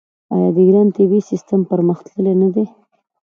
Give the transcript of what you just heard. آیا د ایران طبي سیستم پرمختللی نه دی؟